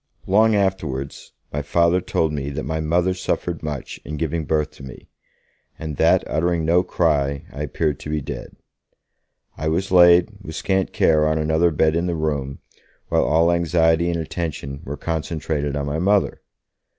Long afterwards, my Father told me that my Mother suffered much in giving birth to me, and that, uttering no cry, I appeared to be dead. I was laid, with scant care, on another bed in the room, while all anxiety and attention were concentrated on my Mother.